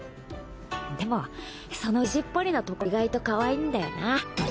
でもその意地っ張りなところが意外とかわいいんだよな